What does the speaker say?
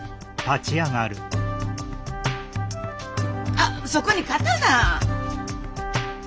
あっそこに刀！